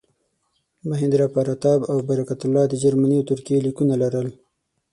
مهیندراپراتاپ او برکت الله د جرمني او ترکیې لیکونه لرل.